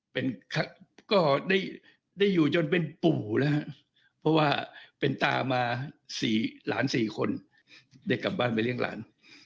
เป็นก็ได้อยู่จนเป็นปู่นะครับเพราะว่าเป็นตามา๔หลาน๔คนได้กลับบ้านไปเลี้ยงหลาน